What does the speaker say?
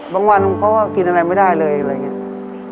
วันเขาก็กินอะไรไม่ได้เลยอะไรอย่างนี้